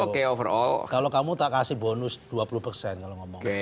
kalau kamu tak kasih bonus dua puluh persen kalau ngomong